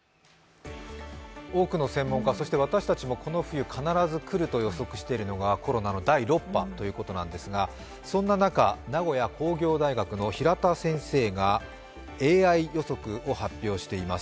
多くの専門家、そして私たちもこの冬必ず来ると予測しているのがコロナの第６波ということなんですが、そんな中名古屋工業大学の平田先生がＡＩ予測を発表しています。